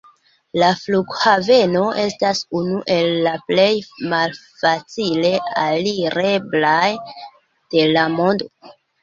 La flughaveno estas unu el la plej malfacile alireblaj de la mondo.